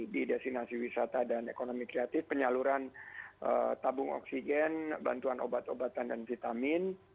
di destinasi wisata dan ekonomi kreatif penyaluran tabung oksigen bantuan obat obatan dan vitamin